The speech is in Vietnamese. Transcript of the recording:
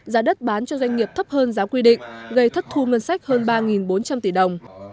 giá đất bán cho doanh nghiệp thấp hơn giá quy định gây thất thu ngân sách hơn ba bốn trăm linh tỷ đồng